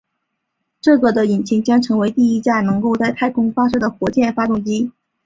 这个的引擎将成为第一架能够在太空发射的火箭发动机。